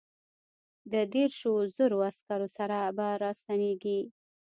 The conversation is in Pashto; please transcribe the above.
د دیرشو زرو عسکرو سره به را ستنېږي.